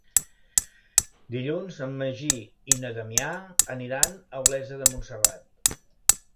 Dilluns en Magí i na Damià aniran a Olesa de Montserrat.